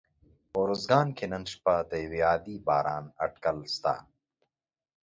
په اروزګان کي نن شپه د یوه عادي باران اټکل سته